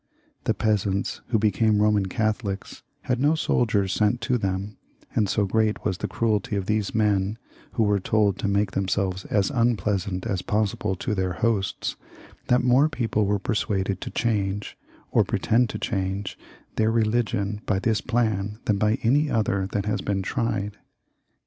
The peasants who be came Boman Catholics had no soldiers sent to them, and so great was the cruelty of these men, who were told to make themselves as unpleasant as possible to their hosts, that more people were persuaded to change, or pretend to change their religion by this plan than by any other that had been tried.